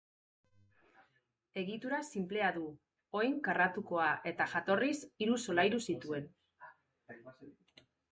Egitura sinplea du, oin karratukoa, eta jatorriz hiru solairu zituen.